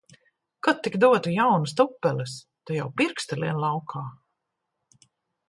Ka tik dotu jaunas tupeles! Te jau pirksti liek laukā.